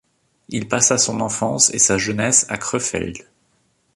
Il passa son enfance et sa jeunesse à Krefeld.